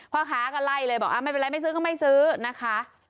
พ่อค้าก็ไล่เลยบอกไม่เป็นไรไม่ซื้อก็ไม่ซื้อนะคะ